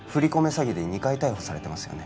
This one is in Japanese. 詐欺で２回逮捕されてますよね？